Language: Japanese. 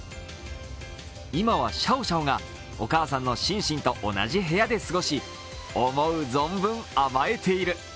今はシャオシャオがお母さんのシンシンと同じ部屋で過ごし思う存分甘えている。